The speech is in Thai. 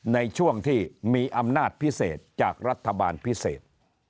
ในช่วงที่มีอำนาจพิเศษจากรัฐบาลพิเศษ